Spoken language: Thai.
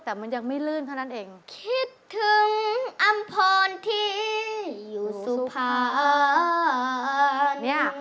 แต่มันยังไม่ลื่นเท่านั้นเองคิดถึงอำพรที่อยู่สุภาเนี่ย